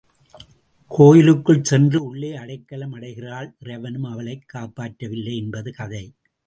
கோயிலுக்குள் சென்று உள்ளே அடைக்கலம் அடைகிறாள் இறைவனும் அவளைக் காப்பாற்றவில்லை என்பது கதை.